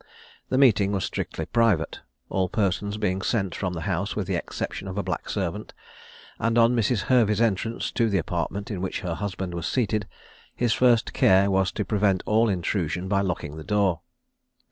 The meeting was strictly private, all persons being sent from the house with the exception of a black servant; and on Mrs. Hervey's entrance to the apartment in which her husband was seated, his first care was to prevent all intrusion by locking the door.